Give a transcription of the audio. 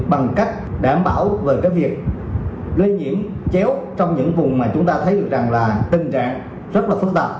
bằng cách đảm bảo về cái việc lây nhiễm chéo trong những vùng mà chúng ta thấy được rằng là tình trạng rất là phức tạp